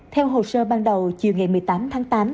theo hồ sơ ban đầu chiều ngày một mươi tám tháng tám